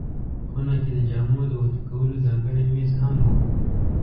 خونه کې د جامو د اوتو کولو ځانګړی مېز هم و.